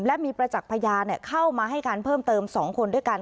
และมีประจักษ์พยานเข้ามาให้การเพิ่มเติม๒คนด้วยกัน